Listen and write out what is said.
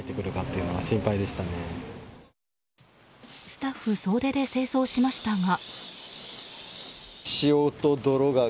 スタッフ総出で清掃しましたが。